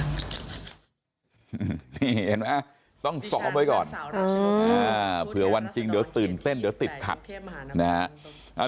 นี่เห็นไหมต้องซ้อมไว้ก่อนเผื่อวันจริงเดี๋ยวตื่นเต้นเดี๋ยวติดขัดนะฮะ